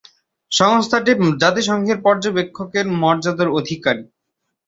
সংস্থাটি জাতিসংঘের পর্যবেক্ষকের মর্যাদার অধিকারী।